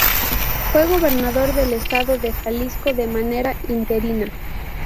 Fue gobernador del Estado de Jalisco de manera interina.